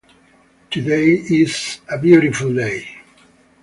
Today is a beautiful day.